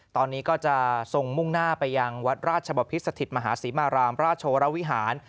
ตอนนี้ก็จะทรงมุ่งหน้าไปยังวัดราชบพิษสถิตมหาศรีมารามราชวรวิหาร